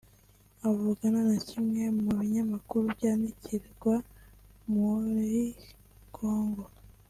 Avugana na kimwe mu binyamakuru byandikirwa muri Kongo